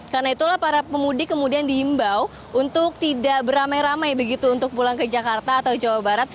karena itulah para pemudik kemudian diimbau untuk tidak beramai ramai begitu untuk pulang ke jakarta atau jawa barat